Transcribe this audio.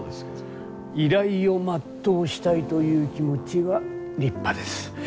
依頼を全うしたいという気持ちは立派です。